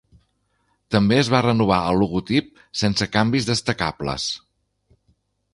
També es va renovar el logotip, sense canvis destacables.